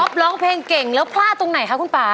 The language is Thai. ร้องเพลงเก่งแล้วพลาดตรงไหนคะคุณป่า